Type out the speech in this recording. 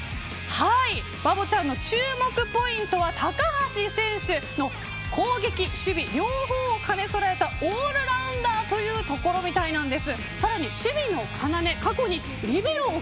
バボちゃんの注目ポイントは高橋選手の攻撃、守備両方を兼ね備えたオールラウンダーというところみたいなんです。